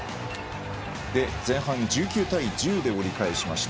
前半１９対１０で折り返しました。